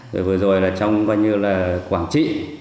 rồi vừa rồi trong quảng trị